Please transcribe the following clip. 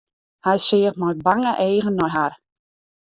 Hy seach mei bange eagen nei har.